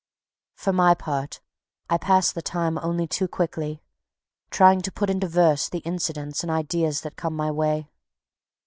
For my part, I pass the time only too quickly, trying to put into verse the incidents and ideas that come my way.